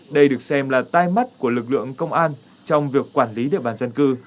đây được xem là tai mắt của lực lượng công an trong việc quản lý địa bàn dân cư